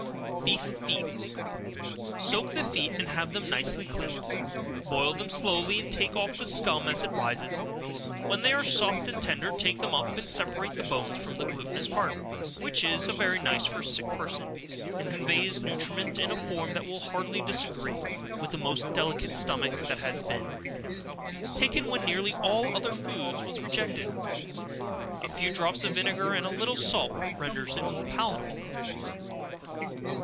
Beef Feet. Soak the feet and have them nicely cleaned; boil them slowly, and take off the scum as it rises; when they are soft and tender, take them up, and separate the bones from the glutinous part, which is very nice for a sick person, and conveys nutriment in a form that will hardly disagree with the most delicate stomach, and has been, taken when nearly all other food was rejected; a few drops of vinegar, and a little salt, renders it more palatable.